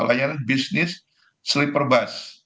layanan bisnis sleeper bus